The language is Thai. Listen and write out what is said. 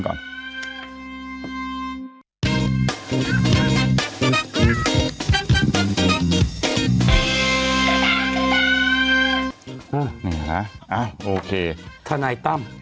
แต่หนูจะเอากับน้องเขามาแต่ว่า